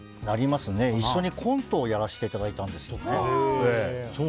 一緒にコントをやらせていただいたんですよね。